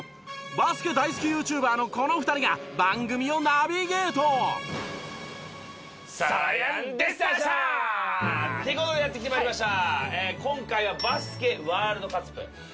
バスケ大好きＹｏｕＴｕｂｅｒのこの２人が番組をナビゲート。って事でやってきました！